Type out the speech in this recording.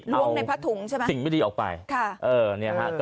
ล้วงในผ้าถุงใช่ไหมสิ่งไม่ดีออกไปค่ะเออเนี่ยฮะ